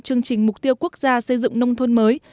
chương trình mục tiêu quốc gia xây dựng nông thôn mới